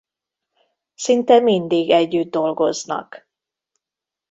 Szinte mindig együtt dolgoznak.